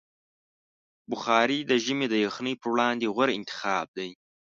بخاري د ژمي د یخنۍ پر وړاندې غوره انتخاب دی.